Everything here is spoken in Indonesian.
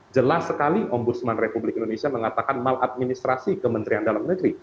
jelas sekali ombudsman republik indonesia mengatakan maladministrasi kementerian dalam negeri